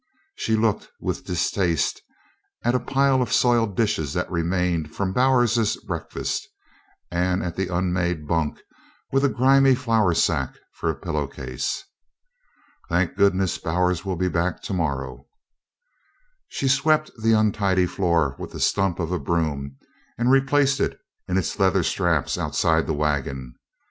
She looked with distaste at a pile of soiled dishes that remained from Bowers's breakfast, and at the unmade bunk with a grimy flour sack for a pillow case. "Thank goodness, Bowers will be back to morrow!" She swept the untidy floor with a stump of a broom and replaced it in its leather straps outside the wagon.